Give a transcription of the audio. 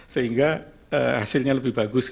sehingga hasilnya lebih bagus